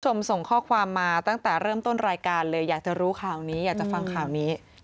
ส่งข้อความมาตั้งแต่เริ่มต้นรายการเลยอยากจะรู้ข่าวนี้อยากจะฟังข่าวนี้